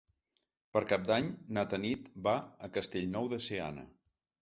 Per Cap d'Any na Tanit va a Castellnou de Seana.